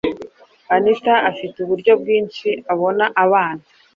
anita afite uburyo bwinshi abona abana